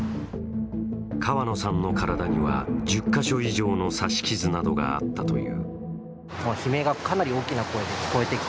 川野さんの体には１０か所以上の刺し傷などがあったという。